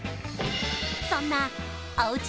そんなおうち